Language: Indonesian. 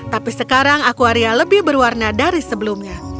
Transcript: tapi sekarang aquaria lebih berwarna dari sebelumnya